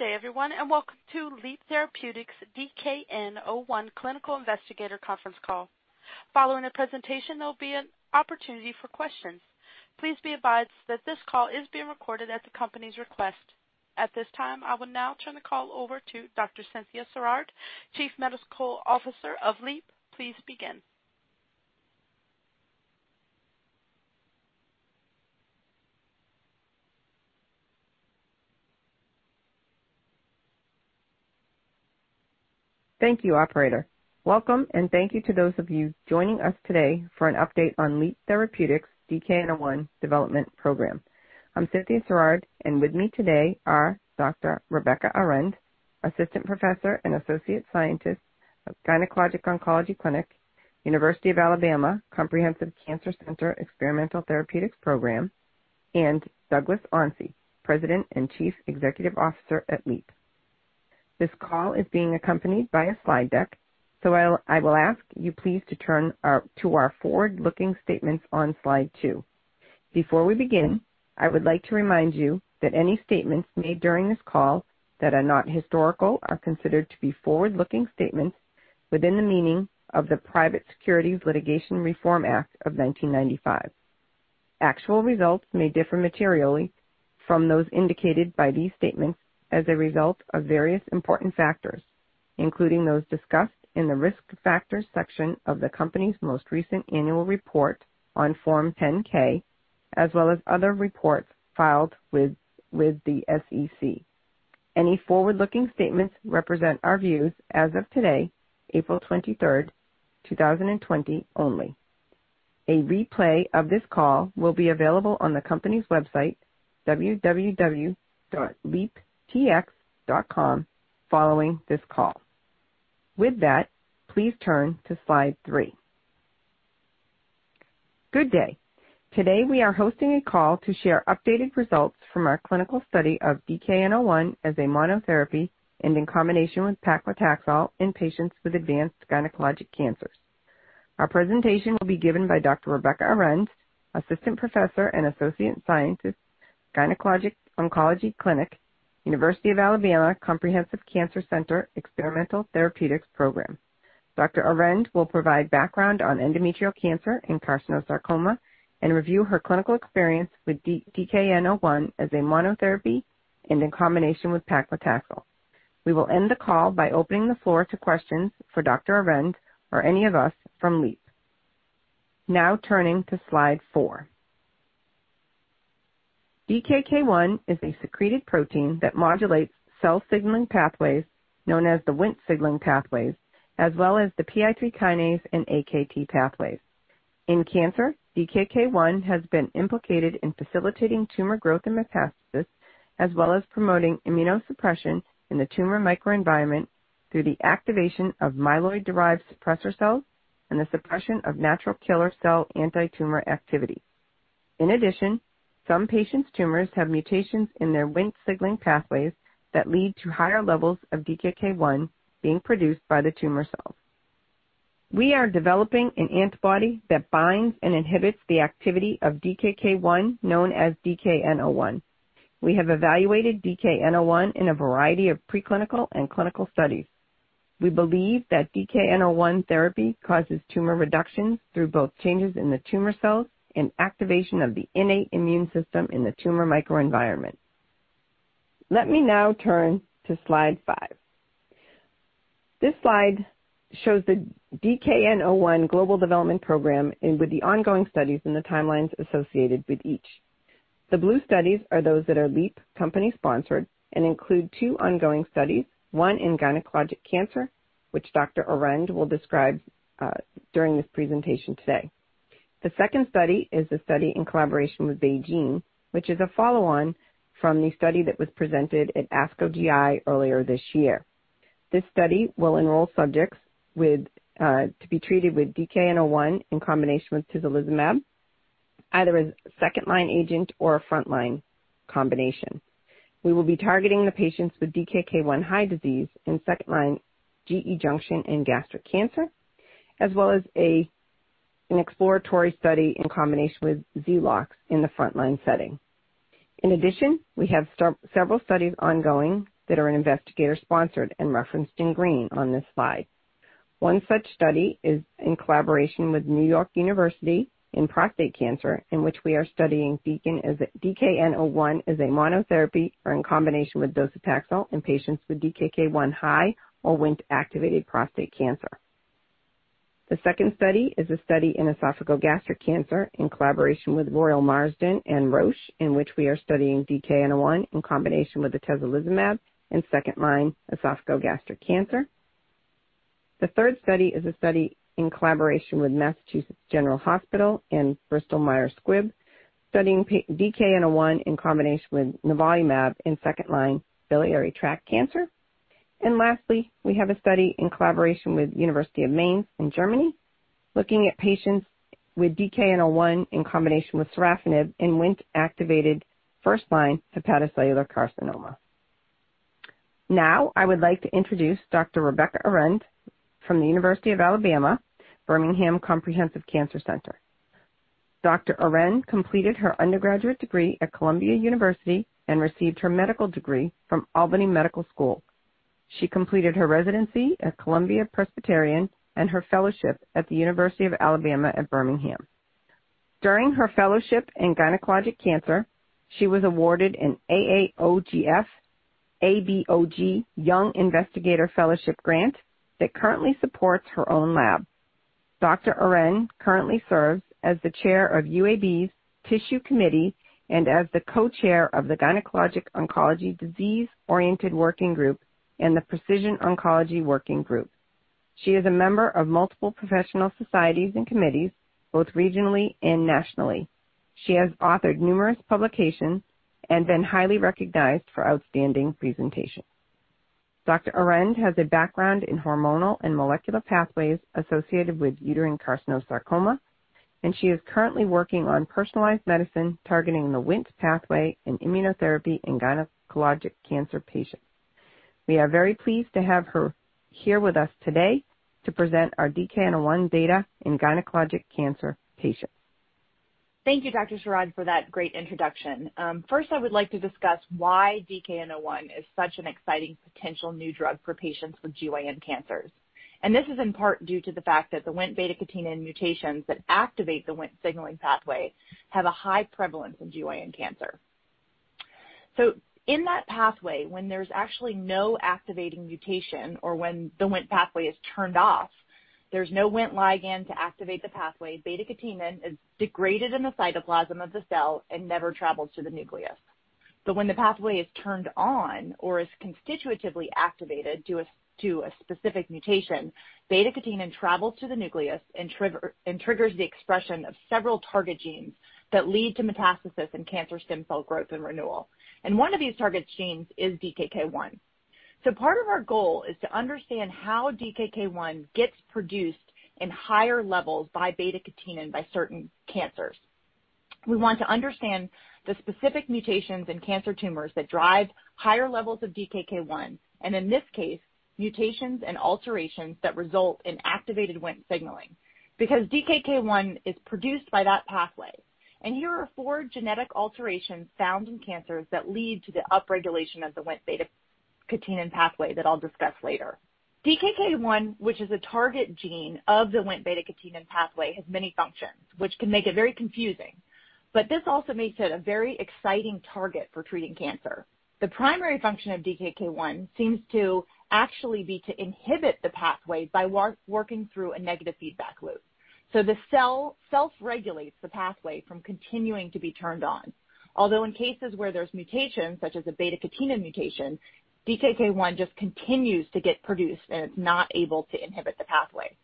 Good day, everyone, and welcome to Leap Therapeutics' DKN-01 Clinical Investigator Conference Call. Following the presentation, there will be an opportunity for questions. Please be advised that this call is being recorded at the company's request. At this time, I will now turn the call over to Dr. Cynthia Sirard, Chief Medical Officer of Leap. Please begin. Thank you, operator. Welcome, and thank you to those of you joining us today for an update on Leap Therapeutics' DKN-01 development program. I'm Cynthia Sirard, and with me today are Dr. Rebecca Arend, Assistant Professor and Associate Scientist of Gynecologic Oncology Clinic, University of Alabama Comprehensive Cancer Center Experimental Therapeutics Program, and Douglas Onsi, President and Chief Executive Officer at Leap. This call is being accompanied by a slide deck, so I will ask you please to turn to our forward-looking statements on slide two. Before we begin, I would like to remind you that any statements made during this call that are not historical are considered to be forward-looking statements within the meaning of the Private Securities Litigation Reform Act of 1995. Actual results may differ materially from those indicated by these statements as a result of various important factors, including those discussed in the Risk Factors section of the company's most recent annual report on Form 10-K, as well as other reports filed with the SEC. Any forward-looking statements represent our views as of today, April 23rd, 2020, only. A replay of this call will be available on the company's website, www.leaptx.com, following this call. With that, please turn to slide three. Good day. Today, we are hosting a call to share updated results from our clinical study of DKN-01 as a monotherapy and in combination with paclitaxel in patients with advanced gynecologic cancers. Our presentation will be given by Dr. Rebecca Arend, Assistant Professor and Associate Scientist, Gynecologic Oncology Clinic, University of Alabama Comprehensive Cancer Center Experimental Therapeutics Program. Dr. Arend will provide background on endometrial cancer and carcinosarcoma and review her clinical experience with DKN-01 as a monotherapy and in combination with paclitaxel. We will end the call by opening the floor to questions for Dr. Arend or any of us from Leap. Turning to slide four. DKK 1 is a secreted protein that modulates cell-signaling pathways known as the Wnt signaling pathways, as well as the PI3K and Akt pathways. In cancer, DKK 1 has been implicated in facilitating tumor growth and metastasis, as well as promoting immunosuppression in the tumor microenvironment through the activation of myeloid-derived suppressor cells and the suppression of NK cell antitumor activity. Some patients' tumors have mutations in their Wnt signaling pathways that lead to higher levels of DKK 1 being produced by the tumor cells. We are developing an antibody that binds and inhibits the activity of DKK 1, known as DKN-01. We have evaluated DKN-01 in a variety of preclinical and clinical studies. We believe that DKN-01 therapy causes tumor reductions through both changes in the tumor cells and activation of the innate immune system in the tumor microenvironment. Let me now turn to slide five. This slide shows the DKN-01 global development program with the ongoing studies and the timelines associated with each. The blue studies are those that are Leap company-sponsored and include two ongoing studies, one in gynecologic cancer, which Dr. Arend will describe during this presentation today. The second study is a study in collaboration with BeiGene, which is a follow-on from the study that was presented at ASCO GI earlier this year. This study will enroll subjects to be treated with DKN-01 in combination with atezolizumab, either as a second-line agent or a frontline combination. We will be targeting the patients with DKK 1 high disease in second-line GE junction and gastric cancer, as well as an exploratory study in combination with XELOX in the frontline setting. In addition, we have several studies ongoing that are investigator-sponsored and referenced in green on this slide. One such study is in collaboration with New York University in prostate cancer, in which we are studying DKN-01 as a monotherapy or in combination with docetaxel in patients with DKK 1 high or Wnt-activated prostate cancer. The second study is a study in esophageal gastric cancer in collaboration with Royal Marsden and Roche, in which we are studying DKN-01 in combination with atezolizumab in second-line esophageal gastric cancer. The third study is a study in collaboration with Massachusetts General Hospital and Bristol Myers Squibb, studying DKN-01 in combination with nivolumab in second-line biliary tract cancer. Lastly, we have a study in collaboration with University of Mainz in Germany, looking at patients with DKN-01 in combination with sorafenib in Wnt-activated first-line hepatocellular carcinoma. Now, I would like to introduce Dr. Rebecca Arend from the University of Alabama at Birmingham Comprehensive Cancer Center. Dr. Arend completed her undergraduate degree at Columbia University and received her medical degree from Albany Medical College. She completed her residency at Columbia-Presbyterian and her fellowship at the University of Alabama at Birmingham. During her fellowship in gynecologic cancer, she was awarded an AAOGF/ABOG Young Investigator Fellowship Grant that currently supports her own lab. Dr. Arend currently serves as the chair of UAB's Tissue Committee and as the co-chair of the Gynecologic Oncology Disease Oriented Working Group and the Precision Oncology Working Group. She is a member of multiple professional societies and committees, both regionally and nationally. She has authored numerous publications and been highly recognized for outstanding presentations. Dr. Arend has a background in hormonal and molecular pathways associated with uterine carcinosarcoma, and she is currently working on personalized medicine targeting the Wnt pathway in immunotherapy in gynecologic cancer patients. We are very pleased to have her here with us today to present our DKN-01 data in gynecologic cancer patients. Thank you, Dr. Sirard, for that great introduction. First, I would like to discuss why DKN-01 is such an exciting potential new drug for patients with GYN cancers. This is in part due to the fact that the Wnt beta-catenin mutations that activate the Wnt signaling pathway have a high prevalence in GYN cancer. In that pathway, when there's actually no activating mutation or when the Wnt pathway is turned off, there's no Wnt ligand to activate the pathway. Beta-catenin is degraded in the cytoplasm of the cell and never travels to the nucleus. When the pathway is turned on or is constitutively activated due to a specific mutation, beta-catenin travels to the nucleus and triggers the expression of several target genes that lead to metastasis and cancer stem cell growth and renewal. One of these target genes is DKK 1. Part of our goal is to understand how DKK 1 gets produced in higher levels by beta-catenin by certain cancers. We want to understand the specific mutations in cancer tumors that drive higher levels of DKK 1, and in this case, mutations and alterations that result in activated Wnt signaling. DKK 1 is produced by that pathway. Here are four genetic alterations found in cancers that lead to the upregulation of the Wnt beta-catenin pathway that I'll discuss later. DKK 1, which is a target gene of the Wnt beta-catenin pathway, has many functions, which can make it very confusing. This also makes it a very exciting target for treating cancer. The primary function of DKK 1 seems to actually be to inhibit the pathway by working through a negative feedback loop. The cell self-regulates the pathway from continuing to be turned on. In cases where there's mutations, such as a beta-catenin mutation, DKK 1 just continues to get produced, and it's not able to inhibit the pathway.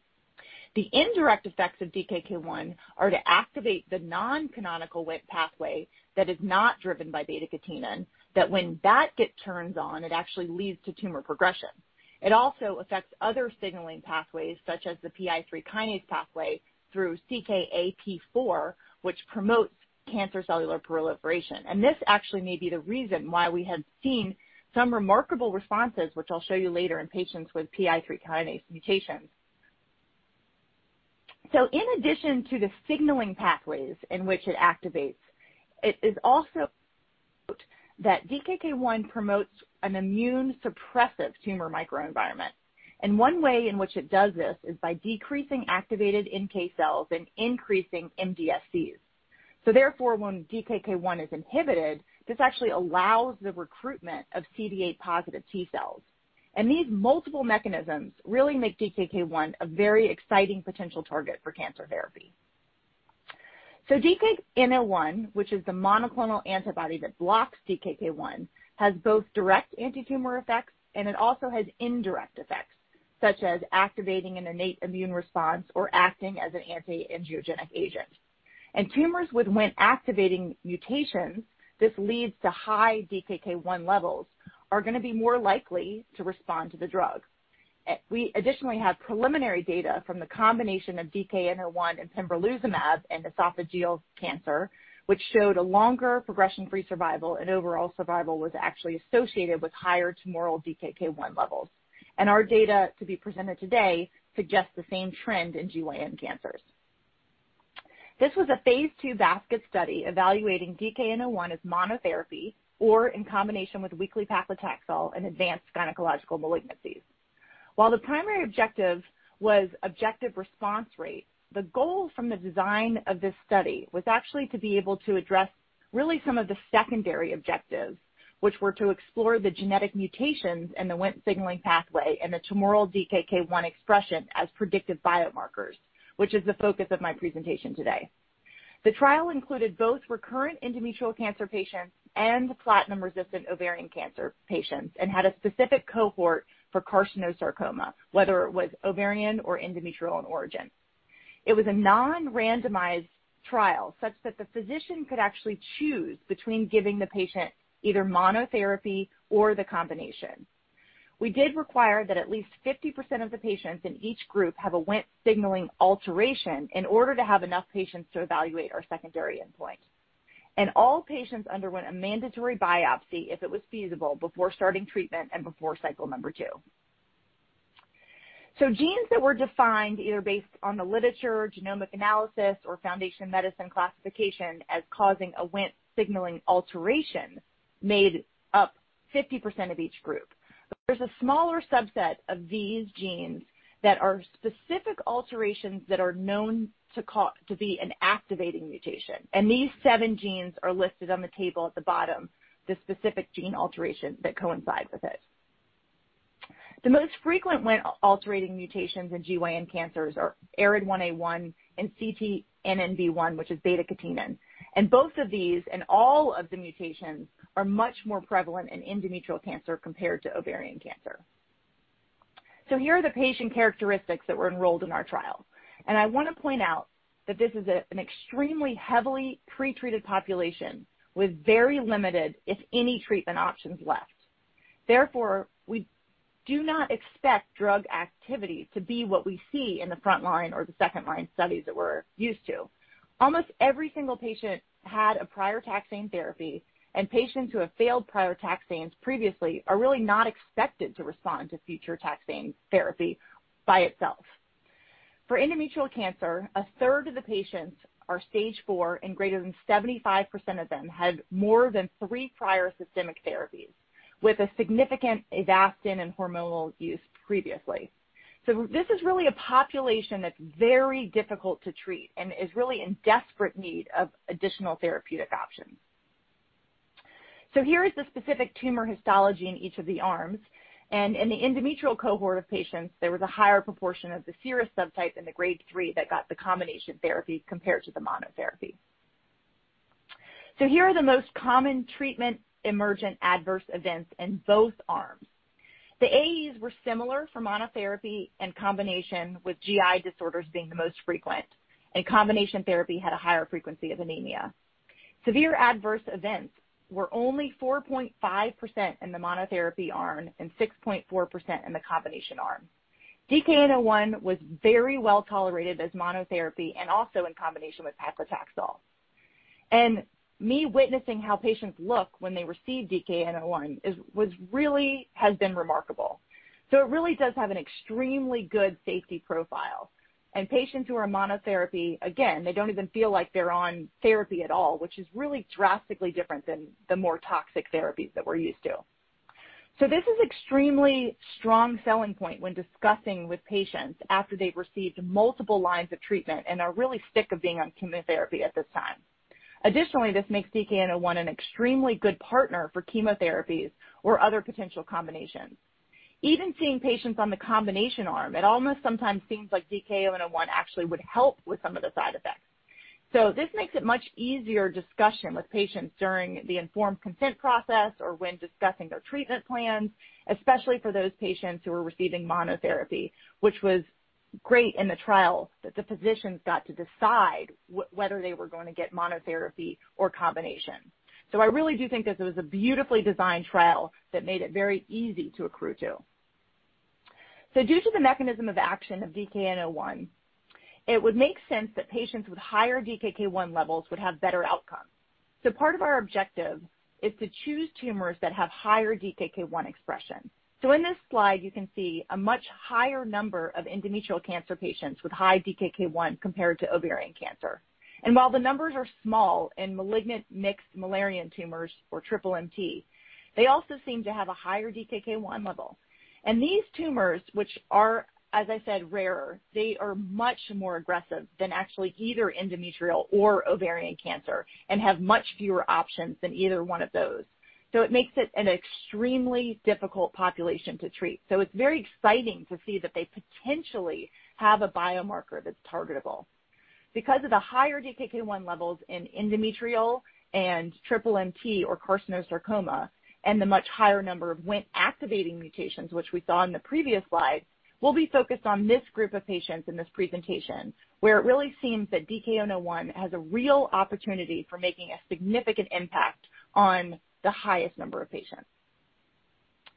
The indirect effects of DKK 1 are to activate the non-canonical Wnt pathway that is not driven by beta-catenin, that when that get turns on, it actually leads to tumor progression. It also affects other signaling pathways, such as the PI3 kinase pathway through CKAP4, which promotes cancer cellular proliferation. This actually may be the reason why we have seen some remarkable responses, which I'll show you later in patients with PI3 kinase mutations. In addition to the signaling pathways in which it activates, it is also that DKK 1 promotes an immune suppressive tumor microenvironment. One way in which it does this is by decreasing activated NK cells and increasing MDSCs. Therefore, when DKK 1 is inhibited, this actually allows the recruitment of CD8+ T cells. These multiple mechanisms really make DKK 1 a very exciting potential target for cancer therapy. DKN-01, which is the monoclonal antibody that blocks DKK 1, has both direct anti-tumor effects, and it also has indirect effects, such as activating an innate immune response or acting as an anti-angiogenic agent. Tumors with Wnt activating mutations, this leads to high DKK 1 levels, are going to be more likely to respond to the drug. We additionally have preliminary data from the combination of DKN-01 and pembrolizumab in esophageal cancer, which showed a longer progression-free survival and overall survival was actually associated with higher tumoral DKK 1 levels. Our data to be presented today suggest the same trend in GYN cancers. This was a phase II basket study evaluating DKN-01 as monotherapy or in combination with weekly paclitaxel in advanced gynecological malignancies. While the primary objective was objective response rate, the goal from the design of this study was actually to be able to address really some of the secondary objectives, which were to explore the genetic mutations in the Wnt signaling pathway and the tumoral DKK 1 expression as predictive biomarkers, which is the focus of my presentation today. The trial included both recurrent endometrial cancer patients and platinum-resistant ovarian cancer patients and had a specific cohort for carcinosarcoma, whether it was ovarian or endometrial in origin. It was a non-randomized trial such that the physician could actually choose between giving the patient either monotherapy or the combination. We did require that at least 50% of the patients in each group have a Wnt signaling alteration in order to have enough patients to evaluate our secondary endpoint. All patients underwent a mandatory biopsy if it was feasible before starting treatment and before cycle number 2. Genes that were defined either based on the literature, genomic analysis, or Foundation Medicine classification as causing a Wnt signaling alteration made up 50% of each group. There's a smaller subset of these genes that are specific alterations that are known to be an activating mutation, and these seven genes are listed on the table at the bottom, the specific gene alterations that coincide with it. The most frequent Wnt-altering mutations in GYN cancers are ARID1A and CTNNB1, which is beta-catenin. Both of these and all of the mutations are much more prevalent in endometrial cancer compared to ovarian cancer. Here are the patient characteristics that were enrolled in our trial. I want to point out that this is an extremely heavily pretreated population with very limited, if any, treatment options left. Therefore, we do not expect drug activity to be what we see in the frontline or the second-line studies that we're used to. Almost every single patient had a prior taxane therapy, and patients who have failed prior taxanes previously are really not expected to respond to future taxane therapy by itself. For endometrial cancer, a third of the patients are stage 4, and greater than 75% of them had more than three prior systemic therapies with a significant Avastin and hormonal use previously. This is really a population that's very difficult to treat and is really in desperate need of additional therapeutic options. Here is the specific tumor histology in each of the arms. In the endometrial cohort of patients, there was a higher proportion of the serous subtype in the grade 3 that got the combination therapy compared to the monotherapy. Here are the most common treatment emergent adverse events in both arms. The AEs were similar for monotherapy and combination, with GI disorders being the most frequent, and combination therapy had a higher frequency of anemia. Severe adverse events were only 4.5% in the monotherapy arm and 6.4% in the combination arm. DKN-01 was very well tolerated as monotherapy and also in combination with paclitaxel. Me witnessing how patients look when they receive DKN-01 really has been remarkable. It really does have an extremely good safety profile. Patients who are monotherapy, again, they don't even feel like they're on therapy at all, which is really drastically different than the more toxic therapies that we're used to. This is extremely strong selling point when discussing with patients after they've received multiple lines of treatment and are really sick of being on chemotherapy at this time. Additionally, this makes DKN-01 an extremely good partner for chemotherapies or other potential combinations. Even seeing patients on the combination arm, it almost sometimes seems like DKN-01 actually would help with some of the side effects. This makes it much easier discussion with patients during the informed consent process or when discussing their treatment plans, especially for those patients who are receiving monotherapy, which was great in the trial that the physicians got to decide whether they were going to get monotherapy or combination. I really do think that it was a beautifully designed trial that made it very easy to accrue to. Due to the mechanism of action of DKN-01, it would make sense that patients with higher DKK 1 levels would have better outcomes. Part of our objective is to choose tumors that have higher DKK 1 expression. In this slide, you can see a much higher number of endometrial cancer patients with high DKK 1 compared to ovarian cancer. While the numbers are small in malignant mixed Müllerian tumors or MMMT, they also seem to have a higher DKK 1 level. These tumors, which are, as I said, rarer, they are much more aggressive than actually either endometrial or ovarian cancer and have much fewer options than either one of those. It makes it an extremely difficult population to treat. It's very exciting to see that they potentially have a biomarker that's targetable. Because of the higher DKK 1 levels in endometrial and Triple MT or carcinosarcoma and the much higher number of Wnt-activating mutations, which we saw in the previous slide, we'll be focused on this group of patients in this presentation, where it really seems that DKN-01 has a real opportunity for making a significant impact on the highest number of patients.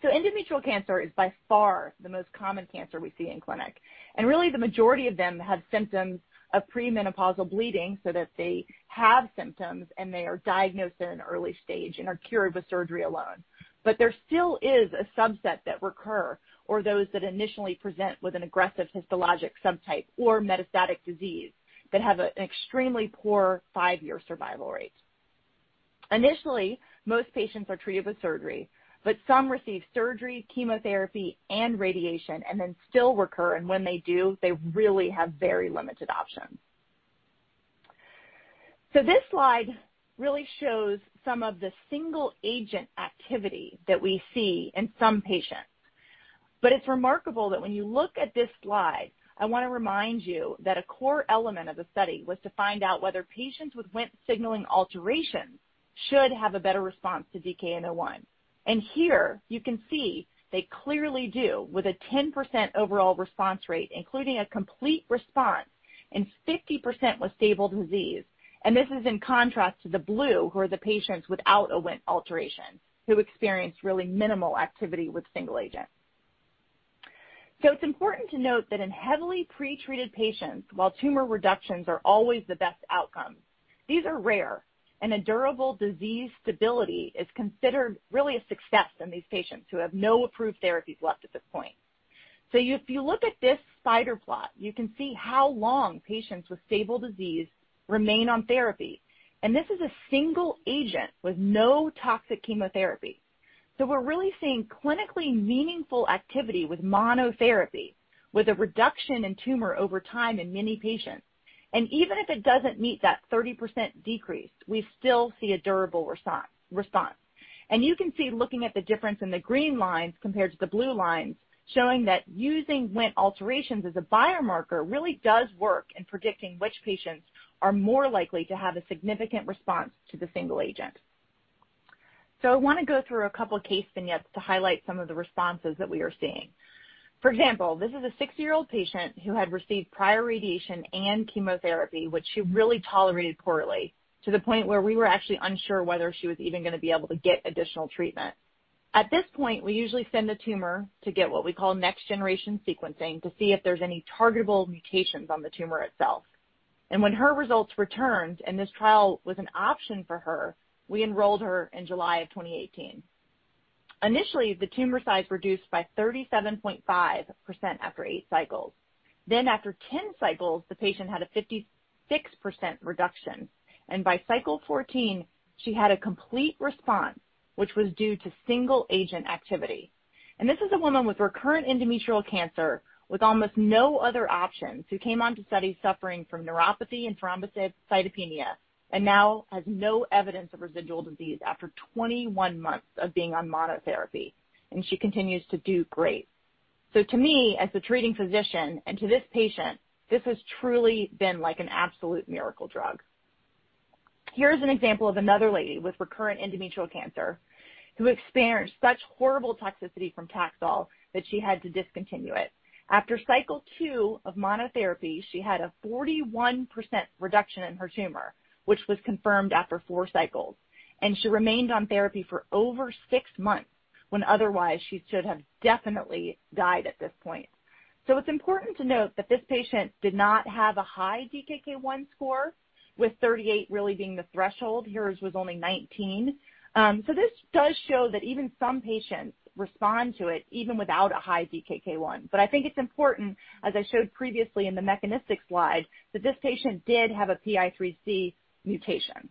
Endometrial cancer is by far the most common cancer we see in clinic, and really the majority of them have symptoms of premenopausal bleeding so that they have symptoms and they are diagnosed in an early stage and are cured with surgery alone. There still is a subset that recur or those that initially present with an aggressive histologic subtype or metastatic disease that have an extremely poor 5-year survival rate. Initially, most patients are treated with surgery, but some receive surgery, chemotherapy, and radiation, and then still recur, and when they do, they really have very limited options. This slide really shows some of the single agent activity that we see in some patients. It's remarkable that when you look at this slide, I want to remind you that a core element of the study was to find out whether patients with Wnt signaling alterations should have a better response to DKN-01. Here you can see they clearly do with a 10% overall response rate, including a complete response and 50% with stable disease. This is in contrast to the blue, who are the patients without a Wnt alteration who experience really minimal activity with single agent. It's important to note that in heavily pretreated patients, while tumor reductions are always the best outcomes. These are rare, and a durable disease stability is considered really a success in these patients who have no approved therapies left at this point. If you look at this spider plot, you can see how long patients with stable disease remain on therapy. This is a single agent with no toxic chemotherapy. We're really seeing clinically meaningful activity with monotherapy, with a reduction in tumor over time in many patients. Even if it doesn't meet that 30% decrease, we still see a durable response. You can see looking at the difference in the green lines compared to the blue lines, showing that using Wnt alterations as a biomarker really does work in predicting which patients are more likely to have a significant response to the single agent. I want to go through a couple of case vignettes to highlight some of the responses that we are seeing. For example, this is a 60-year-old patient who had received prior radiation and chemotherapy, which she really tolerated poorly, to the point where we were actually unsure whether she was even going to be able to get additional treatment. At this point, we usually send a tumor to get what we call next-generation sequencing to see if there's any targetable mutations on the tumor itself. When her results returned, and this trial was an option for her, we enrolled her in July of 2018. Initially, the tumor size reduced by 37.5% after eight cycles. After 10 cycles, the patient had a 56% reduction, and by cycle 14, she had a complete response, which was due to single-agent activity. This is a woman with recurrent endometrial cancer with almost no other options, who came on to study suffering from neuropathy and thrombocytopenia, and now has no evidence of residual disease after 21 months of being on monotherapy, and she continues to do great. To me, as the treating physician and to this patient, this has truly been like an absolute miracle drug. Here's an example of another lady with recurrent endometrial cancer who experienced such horrible toxicity from Taxol that she had to discontinue it. After cycle 2 of monotherapy, she had a 41% reduction in her tumor, which was confirmed after 4 cycles, and she remained on therapy for over six months, when otherwise she should have definitely died at this point. It's important to note that this patient did not have a high DKK 1 score, with 38 really being the threshold. Hers was only 19. This does show that even some patients respond to it even without a high DKK 1. I think it's important, as I showed previously in the mechanistic slide, that this patient did have a PI3K mutation.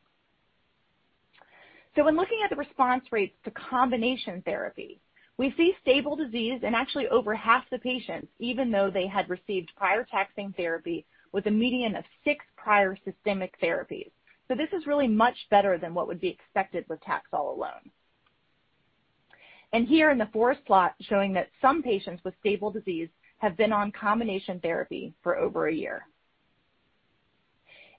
When looking at the response rates to combination therapy, we see stable disease in actually over half the patients, even though they had received prior taxane therapy with a median of six prior systemic therapies. This is really much better than what would be expected with Taxol alone. Here in the forest plot showing that some patients with stable disease have been on combination therapy for over a year.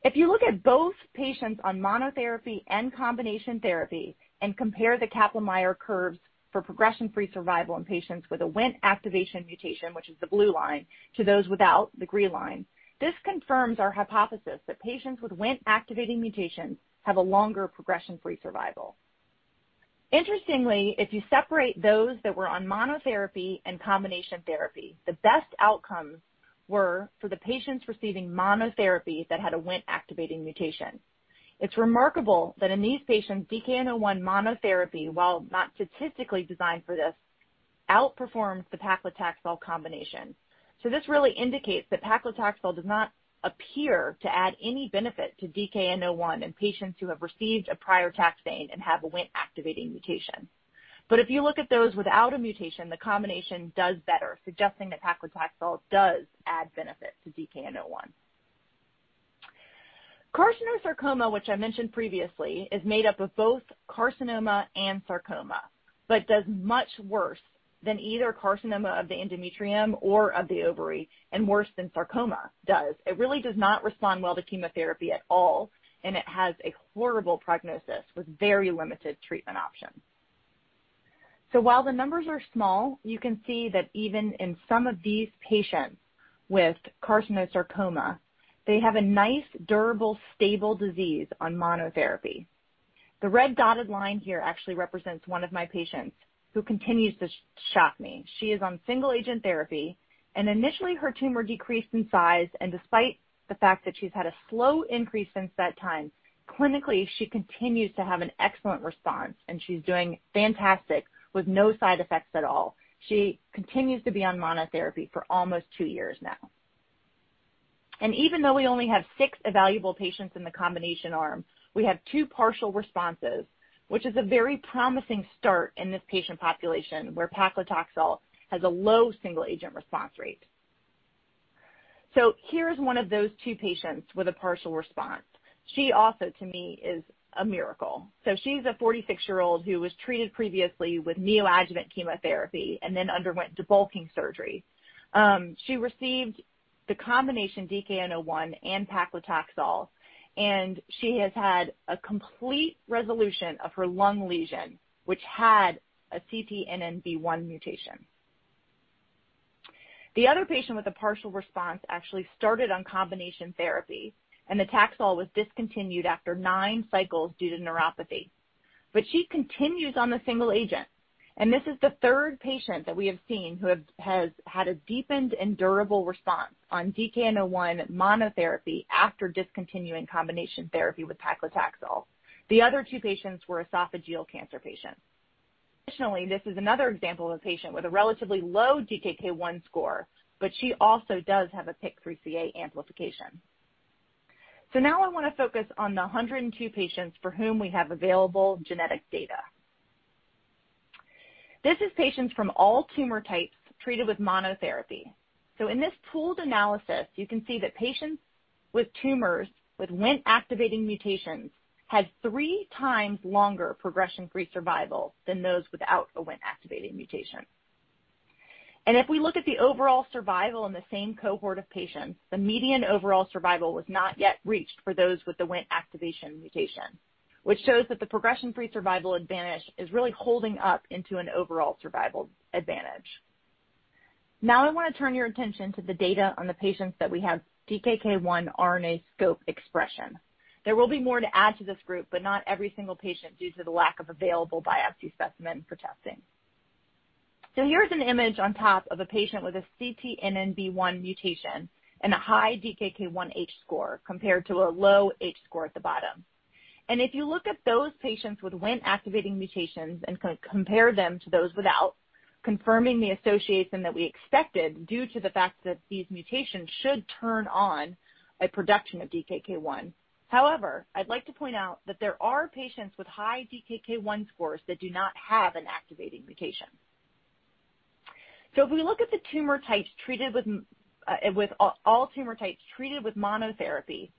If you look at both patients on monotherapy and combination therapy and compare the Kaplan-Meier curves for progression-free survival in patients with a WNT activation mutation, which is the blue line, to those without, the green line, this confirms our hypothesis that patients with WNT activating mutations have a longer progression-free survival. Interestingly, if you separate those that were on monotherapy and combination therapy, the best outcomes were for the patients receiving monotherapy that had a WNT activating mutation. It's remarkable that in these patients, DKN-01 monotherapy, while not statistically designed for this, outperforms the paclitaxel combination. This really indicates that paclitaxel does not appear to add any benefit to DKN-01 in patients who have received a prior taxane and have a WNT activating mutation. If you look at those without a mutation, the combination does better, suggesting that paclitaxel does add benefit to DKN-01. Carcinosarcoma, which I mentioned previously, is made up of both carcinoma and sarcoma, but does much worse than either carcinoma of the endometrium or of the ovary, and worse than sarcoma does. It really does not respond well to chemotherapy at all, and it has a horrible prognosis with very limited treatment options. While the numbers are small, you can see that even in some of these patients with carcinosarcoma, they have a nice, durable, stable disease on monotherapy. The red dotted line here actually represents one of my patients who continues to shock me. She is on single-agent therapy, and initially, her tumor decreased in size, and despite the fact that she's had a slow increase since that time, clinically, she continues to have an excellent response, and she's doing fantastic with no side effects at all. She continues to be on monotherapy for almost 2 years now. Even though we only have 6 evaluable patients in the combination arm, we have 2 partial responses, which is a very promising start in this patient population where paclitaxel has a low single-agent response rate. Here is one of those 2 patients with a partial response. She also, to me, is a miracle. She's a 46-year-old who was treated previously with neoadjuvant chemotherapy and then underwent debulking surgery. She received the combination DKN-01 and paclitaxel, and she has had a complete resolution of her lung lesion, which had a CTNNB1 mutation. The other patient with a partial response actually started on combination therapy, and the Taxol was discontinued after 9 cycles due to neuropathy. She continues on the single agent, and this is the third patient that we have seen who has had a deepened and durable response on DKN-01 monotherapy after discontinuing combination therapy with paclitaxel. The other two patients were esophageal cancer patients. Additionally, this is another example of a patient with a relatively low DKK 1 score, but she also does have a PIK3CA amplification. Now I want to focus on the 102 patients for whom we have available genetic data. This is patients from all tumor types treated with monotherapy. In this pooled analysis, you can see that patients with tumors with WNT activating mutations had three times longer progression-free survival than those without a WNT activating mutation. If we look at the overall survival in the same cohort of patients, the median overall survival was not yet reached for those with the WNT activation mutation, which shows that the progression-free survival advantage is really holding up into an overall survival advantage. Now I want to turn your attention to the data on the patients that we have DKK 1 RNAscope expression. There will be more to add to this group, but not every single patient, due to the lack of available biopsy specimen for testing. Here's an image on top of a patient with a CTNNB1 mutation and a high DKK 1 H score compared to a low H score at the bottom. If you look at those patients with Wnt activating mutations and compare them to those without, confirming the association that we expected due to the fact that these mutations should turn on a production of DKK 1. I'd like to point out that there are patients with high DKK 1 scores that do not have an activating mutation. If we look at all tumor types treated with monotherapy,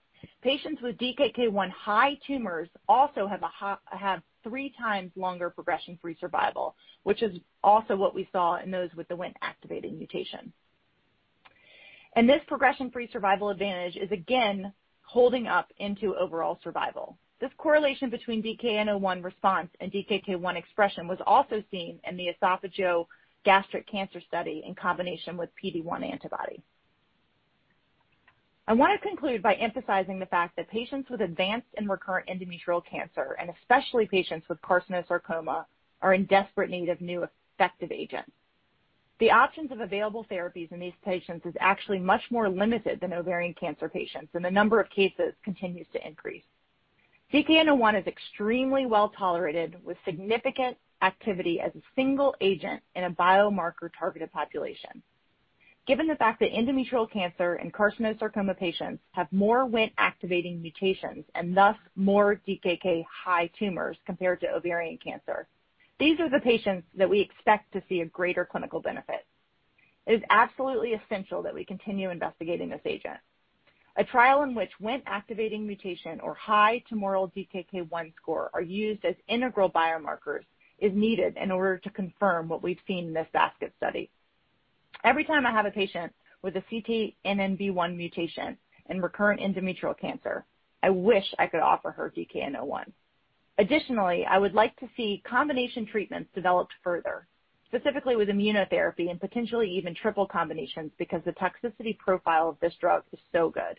patients with DKK 1 high tumors also have three times longer progression-free survival, which is also what we saw in those with the Wnt activating mutation. This progression-free survival advantage is, again, holding up into overall survival. This correlation between DKN-01 response and DKK 1 expression was also seen in the esophageal gastric cancer study in combination with PD-1 antibody. I want to conclude by emphasizing the fact that patients with advanced and recurrent endometrial cancer, and especially patients with carcinosarcoma, are in desperate need of new effective agents. The options of available therapies in these patients is actually much more limited than ovarian cancer patients, and the number of cases continues to increase. DKN-01 is extremely well tolerated, with significant activity as a single agent in a biomarker-targeted population. Given the fact that endometrial cancer and carcinosarcoma patients have more WNT-activating mutations and thus more DKK high tumors compared to ovarian cancer, these are the patients that we expect to see a greater clinical benefit. It is absolutely essential that we continue investigating this agent. A trial in which WNT activating mutation or high tumoral DKK 1 score are used as integral biomarkers is needed in order to confirm what we've seen in this basket study. Every time I have a patient with a CTNNB1 mutation and recurrent endometrial cancer, I wish I could offer her DKN-01. I would like to see combination treatments developed further, specifically with immunotherapy and potentially even triple combinations, because the toxicity profile of this drug is so good.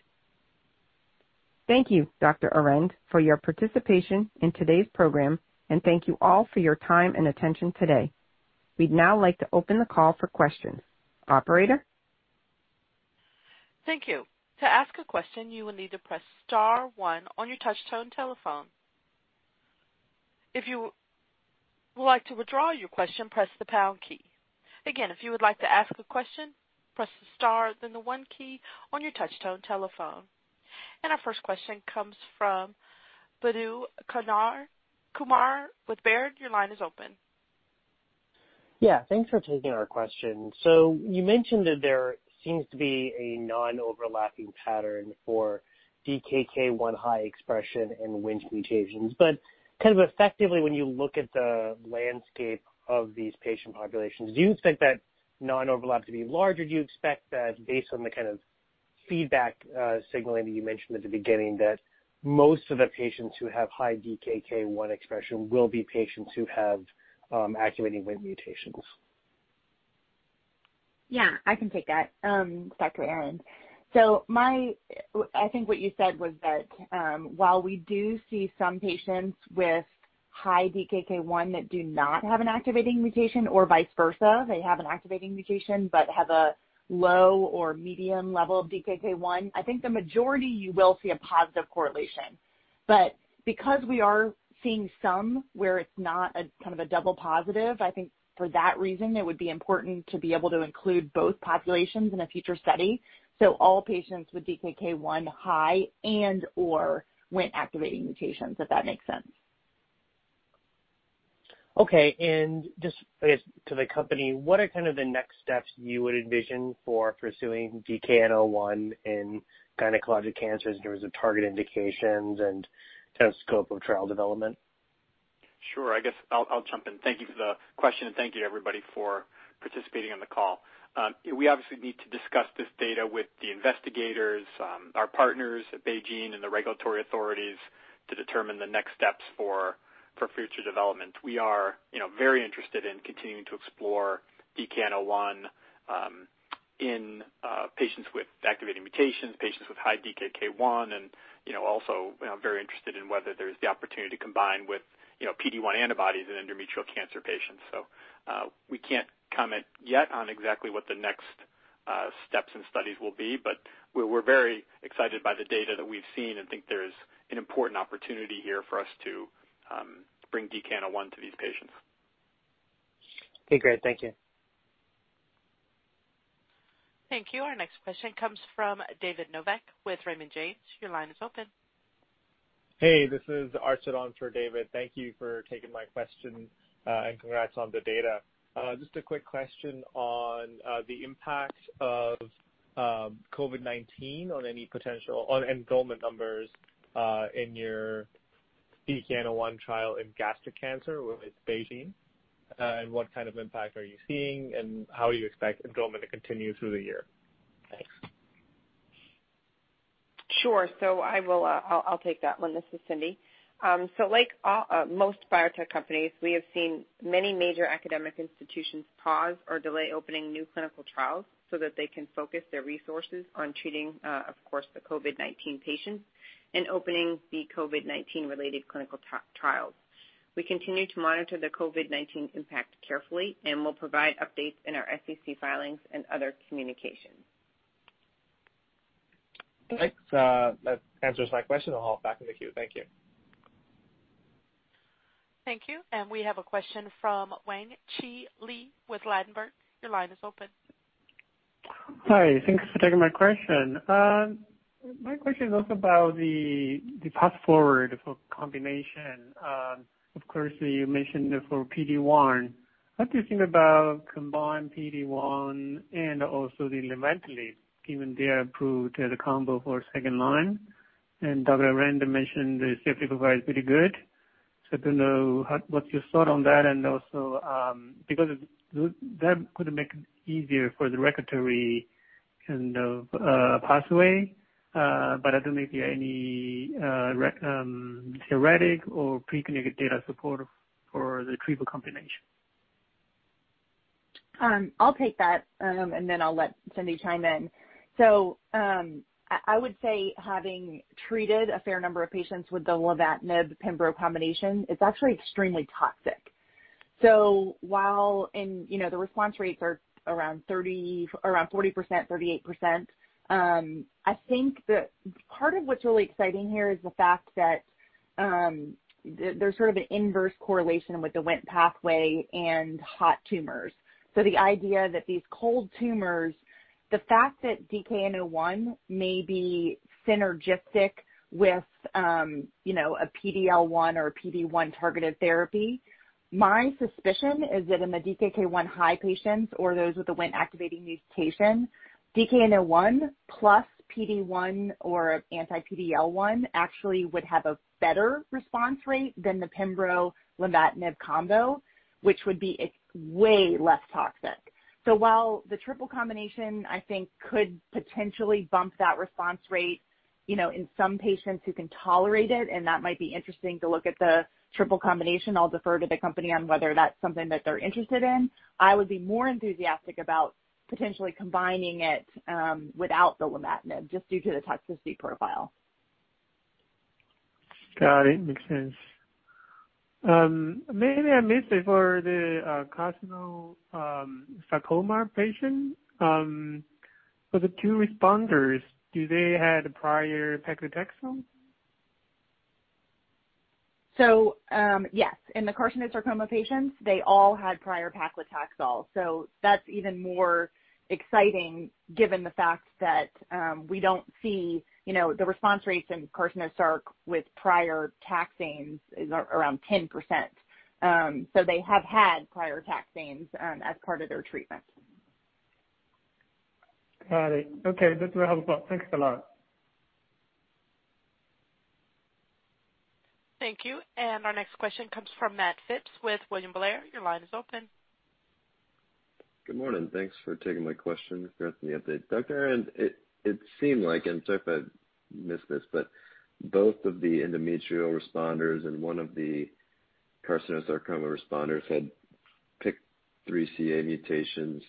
Thank you, Dr. Arend, for your participation in today's program, and thank you all for your time and attention today. We'd now like to open the call for questions. Operator? Thank you. To ask a question, you will need to press star 1 on your touch-tone telephone. If you would like to withdraw your question, press the pound key. Again, if you would like to ask a question, press the star, then the 1 key on your touch-tone telephone. Our first question comes from Badu Kumar with Baird. Your line is open. Yeah, thanks for taking our question. You mentioned that there seems to be a non-overlapping pattern for DKK 1 high expression and WNT mutations. Kind of effectively, when you look at the landscape of these patient populations, do you expect that non-overlap to be larger? Do you expect that, based on the kind of feedback signaling that you mentioned at the beginning, that most of the patients who have high DKK 1 expression will be patients who have activating WNT mutations? Yeah, I can take that. Dr. Arend. I think what you said was that while we do see some patients with high DKK 1 that do not have an activating mutation or vice versa, they have an activating mutation but have a low or medium level of DKK 1. I think the majority, you will see a positive correlation. Because we are seeing some where it's not a kind of a double positive, I think for that reason it would be important to be able to include both populations in a future study. All patients with DKK 1 high and/or WNT activating mutations, if that makes sense. Okay. Just, I guess, to the company, what are kind of the next steps you would envision for pursuing DKN-01 in gynecologic cancers in terms of target indications and kind of scope of trial development? Sure. I guess I'll jump in. Thank you for the question, and thank you, everybody, for participating on the call. We obviously need to discuss this data with the investigators, our partners at BeiGene and the regulatory authorities to determine the next steps for future development. We are very interested in continuing to explore DKN-01. In patients with activating mutations, patients with high DKK 1, and also very interested in whether there's the opportunity to combine with PD-1 antibodies in endometrial cancer patients. We can't comment yet on exactly what the next steps and studies will be, but we're very excited by the data that we've seen and think there's an important opportunity here for us to bring DKN-01 to these patients. Okay, great. Thank you. Thank you. Our next question comes from David Novak with Raymond James. Your line is open. Hey, this is Arshad on for David. Thank you for taking my question, and congrats on the data. Just a quick question on the impact of COVID-19 on any potential on enrollment numbers in your DKN-01 trial in gastric cancer with BeiGene, and what kind of impact are you seeing, and how you expect enrollment to continue through the year? Thanks. Sure. I'll take that one. This is Cyndi. Like most biotech companies, we have seen many major academic institutions pause or delay opening new clinical trials so that they can focus their resources on treating, of course, the COVID-19 patients and opening the COVID-19 related clinical trials. We continue to monitor the COVID-19 impact carefully and will provide updates in our SEC filings and other communications. Thanks. That answers my question. I'll hop back in the queue. Thank you. Thank you. We have a question from Wang-Chien Lee with Ladenburg. Your line is open. Hi. Thanks for taking my question. My question is also about the path forward for combination. Of course, you mentioned for PD-1, what do you think about combined PD-1 and also the nivolumab, given they are approved the combo for second line, and Dr. Arend mentioned the safety profile is pretty good. I don't know what's your thought on that and also, because that could make it easier for the regulatory pathway, but I don't know if you have any theoretic or pre-clinical data support for the triple combination. I'll take that, and then I'll let Cyndi chime in. I would say having treated a fair number of patients with the nivolumab pembro combination, it's actually extremely toxic. While the response rates are around 40%, 38%, I think that part of what's really exciting here is the fact that there's sort of an inverse correlation with the Wnt pathway and hot tumors. The idea that these cold tumors, the fact that DKN-01 may be synergistic with a PD-L1 or a PD-1 targeted therapy, my suspicion is that in the DKK 1 high patients or those with the Wnt activating mutation, DKN-01 plus PD-1 or anti PD-L1 actually would have a better response rate than the pembro nivolumab combo, which would be way less toxic. While the triple combination, I think could potentially bump that response rate in some patients who can tolerate it, and that might be interesting to look at the triple combination, I'll defer to the company on whether that's something that they're interested in. I would be more enthusiastic about potentially combining it, without the nivolumab, just due to the toxicity profile. Got it. Makes sense. Maybe I missed it for the carcinosarcoma patient. For the two responders, do they had prior paclitaxel? Yes. In the carcinosarcoma patients, they all had prior paclitaxel. That's even more exciting given the fact that we don't see the response rates in carcinosarc with prior taxanes is around 10%. They have had prior taxanes as part of their treatment. Got it. Okay, that's very helpful. Thanks a lot. Thank you. Our next question comes from Matt Phipps with William Blair. Your line is open. Good morning. Thanks for taking my question. Congrats on the update. Dr. Arend, it seemed like, and sorry if I missed this, but both of the endometrial responders and one of the carcinosarcoma responders had PIK3CA mutations.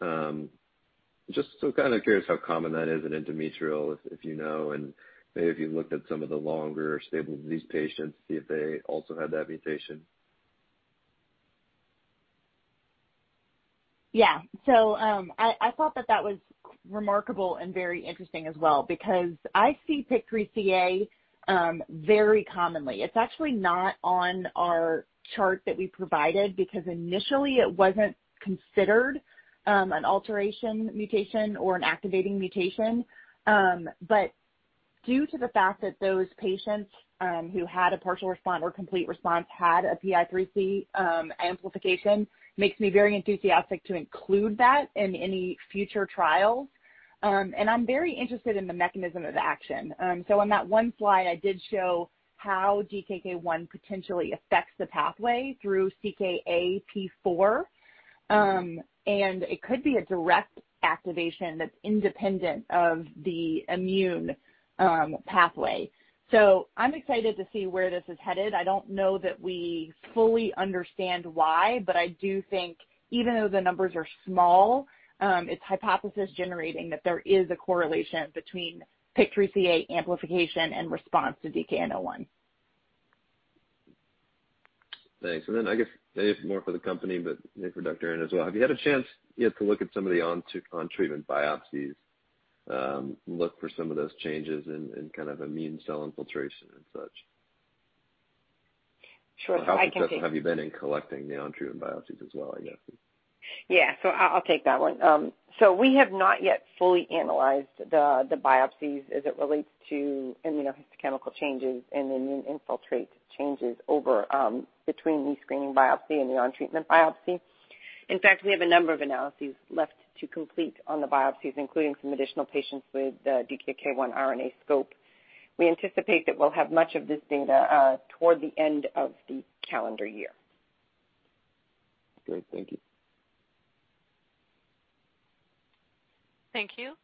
Still kind of curious how common that is in endometrial, if you know, and maybe if you looked at some of the longer stable disease patients, see if they also had that mutation. Yeah. I thought that that was remarkable and very interesting as well because I see PIK3CA very commonly. It's actually not on our chart that we provided because initially it wasn't considered an alteration mutation or an activating mutation. Due to the fact that those patients who had a partial response or complete response had a PIK3CA amplification, makes me very enthusiastic to include that in any future trials. I'm very interested in the mechanism of action. On that one slide, I did show how DKK 1 potentially affects the pathway through CKAP4, and it could be a direct activation that's independent of the immune pathway. I'm excited to see where this is headed. I don't know that we fully understand why, but I do think even though the numbers are small, it's hypothesis generating that there is a correlation between PIK3CA amplification and response to DKN-01. Thanks. I guess maybe it's more for the company, but maybe for Dr. Arend as well, have you had a chance yet to look at some of the on-treatment biopsies, look for some of those changes in kind of immune cell infiltration and such? Sure. How successful have you been in collecting the on-treatment biopsies as well, I guess? Yeah. I'll take that one. We have not yet fully analyzed the biopsies as it relates to immunohistochemical changes and immune infiltrate changes between the screening biopsy and the on-treatment biopsy. In fact, we have a number of analyses left to complete on the biopsies, including some additional patients with the DKK1 RNAscope. We anticipate that we'll have much of this data toward the end of the calendar year. Great. Thank you. Thank you.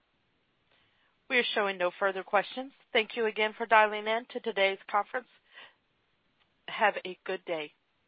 We are showing no further questions. Thank you again for dialing in to today's conference. Have a good day.